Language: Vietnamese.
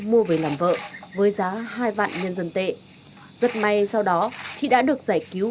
mua về làm vợ với giá hai vạn nhân dân tệ rất may sau đó chị đã được giải cứu